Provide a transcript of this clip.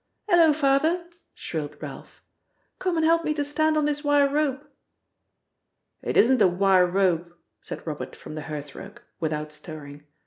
"'Ello, Father!" shrilled Ralph. "Come and help me to stand on this wire rope." "It isn't a wire rope," said Robert from the hearth rug, without stirring.